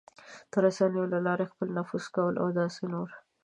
د رسنیو له لارې خپل نفوذ کول او داسې نور...